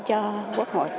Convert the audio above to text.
cho quốc hội